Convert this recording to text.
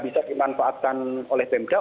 bisa dimanfaatkan oleh bemda